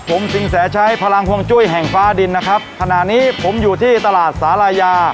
ผมสินแสชัยพลังฮวงจุ้ยแห่งฟ้าดินนะครับขณะนี้ผมอยู่ที่ตลาดสาลายา